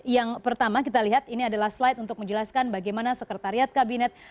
yang pertama kita lihat ini adalah slide untuk menjelaskan bagaimana sekretariat kabinet